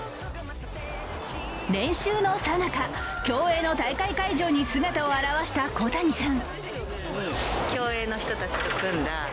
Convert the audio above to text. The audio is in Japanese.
練習のさなか、競泳の大会会場に姿を現した小谷さん。